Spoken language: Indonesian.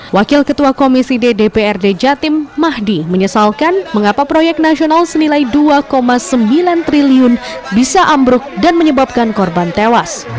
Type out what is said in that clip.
wakil ketua komisi ddprd jatim mahdi menyesalkan mengapa proyek nasional senilai dua sembilan triliun bisa ambruk dan menyebabkan korban tewas